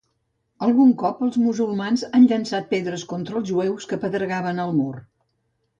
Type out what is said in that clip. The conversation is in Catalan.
Algun cop, els musulmans han llençat pedres contra els jueus que pregaven al mur.